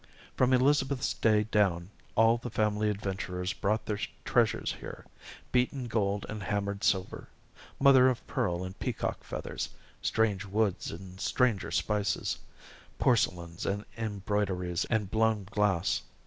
From Elizabeth's day down, all the family adventurers brought their treasures here beaten gold and hammered silver mother of pearl and peacock feathers, strange woods and stranger spices, porcelains and embroideries and blown glass.